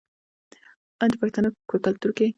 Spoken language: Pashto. آیا د پښتنو په کلتور کې ښځو ته ځانګړی درناوی نه کیږي؟